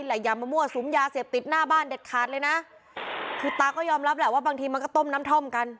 อย่ามามั่วสุมยาเสพติดหน้าบ้านเด็ดขาดเลยนะคือตาก็ยอมรับแหละว่าบางทีมันก็ต้มน้ำท่อมกัน